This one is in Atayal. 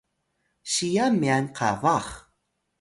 siyan myan qabax